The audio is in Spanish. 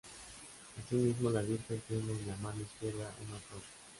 Asimismo, la Virgen tiene en la mano izquierda una flor.